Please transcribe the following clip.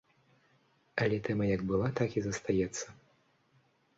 Але тэма як была, так і застаецца.